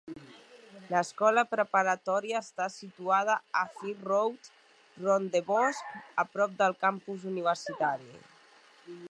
L'escola preparatòria està situada a Fir Road, Rondebosch, a prop del campus universitari.